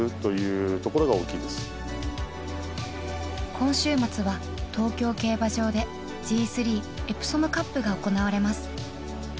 今週末は東京競馬場でＧⅢエプソムカップが行われます